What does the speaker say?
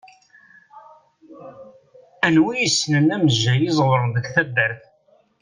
Anwa i yessnen amejjay iẓewṛen deg taddart?